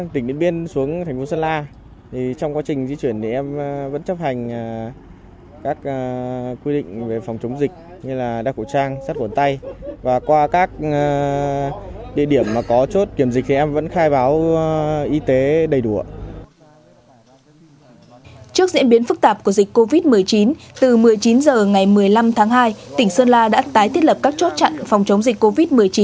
trước diễn biến phức tạp của dịch covid một mươi chín từ một mươi chín h ngày một mươi năm tháng hai tỉnh sơn la đã tái thiết lập các chốt chặn phòng chống dịch covid một mươi chín